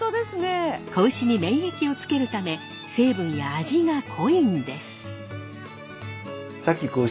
子牛に免疫をつけるため成分や味が濃いんです。